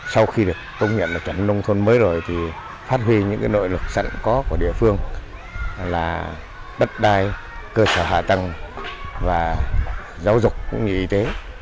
sau khi được công nhận chuẩn nông thôn mới rồi phát huy những nội lực sẵn có của địa phương là bất đai cơ sở hạ tăng và giáo dục cũng như y tế